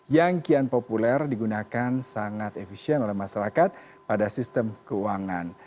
yang kian populer digunakan sangat efisien oleh masyarakat pada sistem keuangan